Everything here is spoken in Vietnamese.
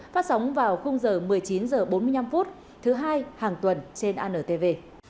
phát sóng vào khung giờ một mươi chín h bốn mươi năm thứ hai hàng tuần trên antv